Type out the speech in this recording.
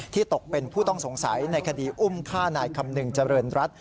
ตกเป็นผู้ต้องสงสัยในคดีอุ้มฆ่านายคำนึงเจริญรัฐ